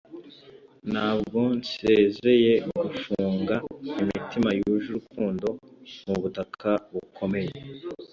ntabwo nsezeye gufunga imitima yuje urukundo mubutaka bukomeye.